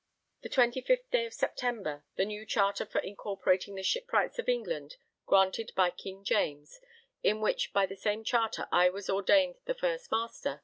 The 25th day of September, the new charter for incorporating the shipwrights of England, granted by King James, in which by the same charter I was ordained the first Master.